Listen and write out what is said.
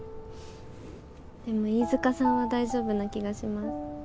でも飯塚さんは大丈夫な気がします。